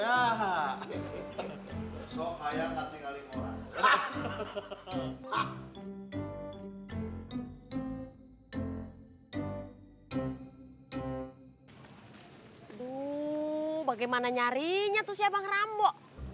aduh bagaimana nyarinya tuh si abang rambo